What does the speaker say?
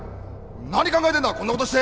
何考えてんだこんなことして！